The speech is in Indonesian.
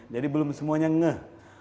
jadi belum semuanya ngeh